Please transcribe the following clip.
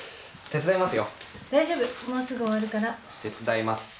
手伝います。